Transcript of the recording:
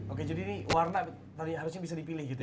oke jadi ini warna tadi harusnya bisa dipilih gitu ya